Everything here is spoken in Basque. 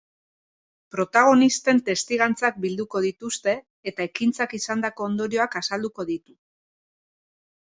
Protagonisten testigantzak bilduko dituzte eta ekintzak izandako ondorioak azalduko ditu.